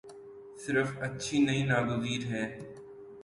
صرف اچھی نہیں ناگزیر ہے۔